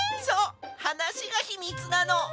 そうはなしがひみつなの。